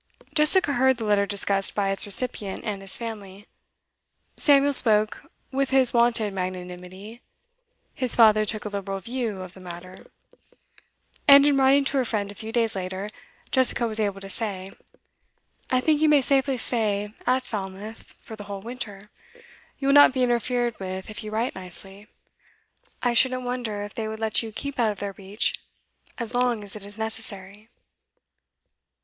Jessica heard the letter discussed by its recipient and his family. Samuel spoke with his wonted magnanimity; his father took a liberal view of the matter. And in writing to her friend a few days later, Jessica was able to say: 'I think you may safely stay at Falmouth for the whole winter. You will not be interfered with if you write nicely. I shouldn't wonder if they would let you keep out of their reach as long as it is necessary.